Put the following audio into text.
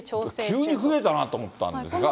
急に増えたなと思ったんですが。